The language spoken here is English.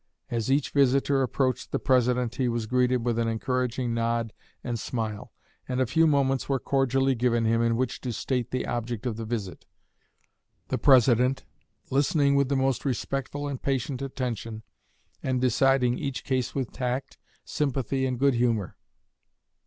As each visitor approached the President he was greeted with an encouraging nod and smile, and a few moments were cordially given him in which to state the object of the visit; the President listening with the most respectful and patient attention, and deciding each case with tact, sympathy, and good humor.